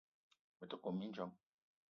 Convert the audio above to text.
Me te kome mindjong.